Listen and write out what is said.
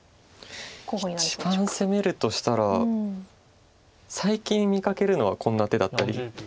一番攻めるとしたら最近見かけるのはこんな手だったり。